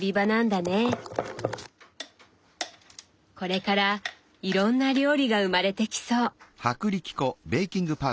これからいろんな料理が生まれてきそう。